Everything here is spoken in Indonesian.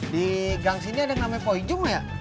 di gang sini ada yang namanya pak ijung ya